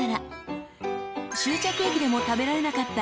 ［終着駅でも食べられなかった激